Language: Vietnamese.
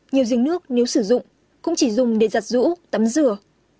nhiều giếng nước nếu sử dụng cũng chỉ dùng để giặt rũ tắm rửa